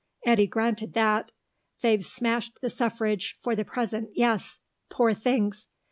Eddy granted that. "They've smashed the suffrage, for the present, yes. Poor things."